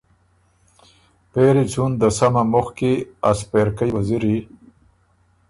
پېری څُون دسمه مُخکی ا سپېرکئ وزیری